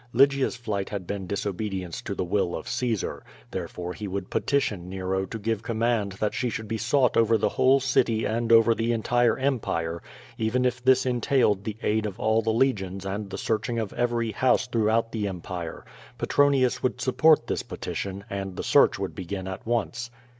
Lygia's flight had been disobedience to the will of Caesar. Therefore he would petition Nero to give command that she should be sought over the whole city and over the entire Empire, even if this entailed the aid of all the legions and the searching of every house throughout the Em pire. Petronius would support this petition, and the search would begin at once.